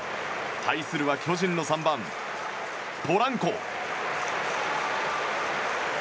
対するは巨人の３番、ポランコ。